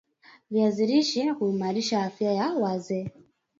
Viazi lishe huimarisha afya ya wazee